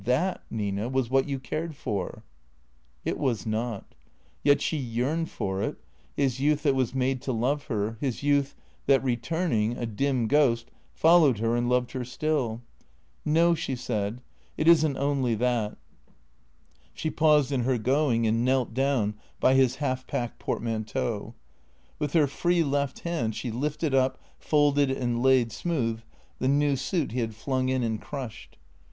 That, Nina, was what you cared for." It was not. Yet she yearned for it — his youth that was made to love her, his youth that returning, a dim ghost, fol lowed her and loved her still. " No," she said, " it is n't only that." She paused in her going and knelt down by his half packed portmanteau. With her free left hand she lifted up, folded and laid smooth the new suit he had flung in and crushed.